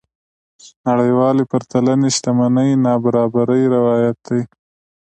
نړيوالې پرتلنې شتمنۍ نابرابرۍ روايت دي.